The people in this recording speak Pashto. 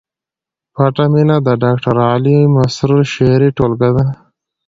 پټه مینه د ډاکټر علي مسرور شعري ټولګه ده